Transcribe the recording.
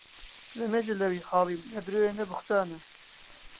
لە مێژە لە وی حاڵیم نە درۆیە نە بوختانە